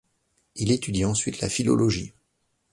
Il étudie ensuite la philologie.